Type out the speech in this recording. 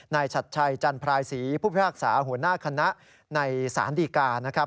ชัดชัยจันพรายศรีผู้พิพากษาหัวหน้าคณะในศาลดีกานะครับ